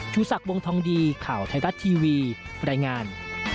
ชูสักวงธองดีข่าวไทยรัตน์ทีวีบรรยายงาน